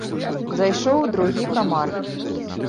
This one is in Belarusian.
Зайшоў у другі камар.